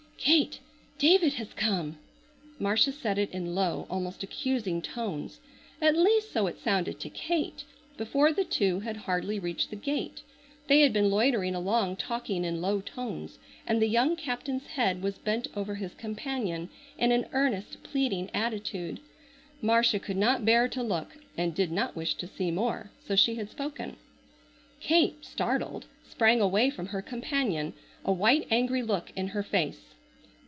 "Kate, David has come!" Marcia said it in low, almost accusing tones, at least so it sounded to Kate, before the two had hardly reached the gate. They had been loitering along talking in low tones, and the young captain's head was bent over his companion in an earnest, pleading attitude. Marcia could not bear to look, and did not wish to see more, so she had spoken. Kate, startled, sprang away from her companion, a white angry look in her face.